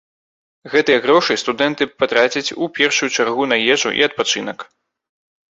Гэтыя грошы студэнты патрацяць у першую чаргу на ежу і адпачынак.